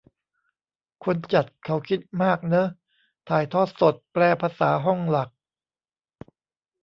คนจัดเขาคิดมากเนอะ ถ่ายทอดสด แปลภาษาห้องหลัก